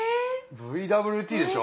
ＶＷＴでしょ？